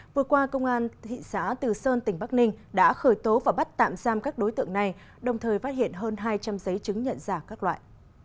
vừa qua công an thị xã từ sơn tỉnh bắc ninh đã khởi tố và bắt tạm giam các đối tượng này đồng thời phát hiện hơn hai trăm linh giấy chứng nhận giả các loại